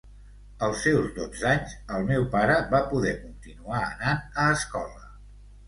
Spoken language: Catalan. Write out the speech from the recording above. Als seus dotze anys, el meu pare va poder continuar anant a escola.